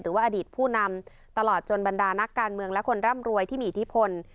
หรือว่าอดีตผู้นำตลอดจนบรรดานักการเมืองและคนร่ำรวยที่มีอิทธิพล